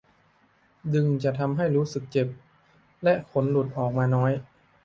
ดึงจะทำให้รู้สึกเจ็บและขนหลุดออกมาน้อย